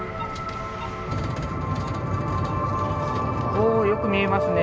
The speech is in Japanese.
おおよく見えますね